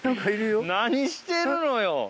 何してるのよ。